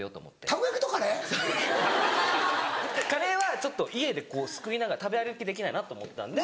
たこ焼きとカレー⁉カレーは家ですくいながら食べ歩きできないなと思ったんで。